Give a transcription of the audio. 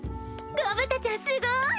ゴブタちゃんすごい！